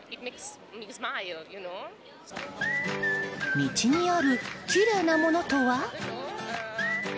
道にあるきれいなものとは？